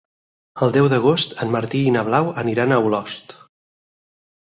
El deu d'agost en Martí i na Blau aniran a Olost.